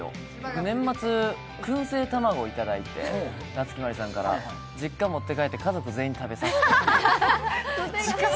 年末、くん製卵を夏木マリさんからいただいて実家持って帰って家族全員に食べさせて。